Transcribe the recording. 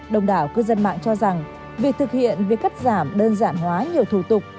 đồng đảo cư dân mạng cho rằng việc thực hiện việc cắt giảm đơn giản hóa nhiều thủ tục